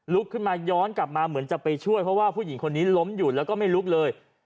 ขึ้นมาย้อนกลับมาเหมือนจะไปช่วยเพราะว่าผู้หญิงคนนี้ล้มอยู่แล้วก็ไม่ลุกเลย